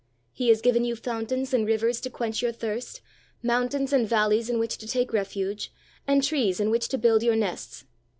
He has given you fountains and rivers to quench your thirst, moun tains and valleys in which to take refuge, and trees in which to build your nests.